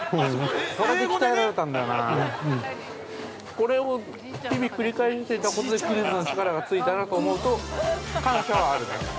◆これを日々繰り返してたことでクイズの力がついたなと思うと感謝はあるね。